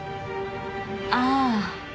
ああ。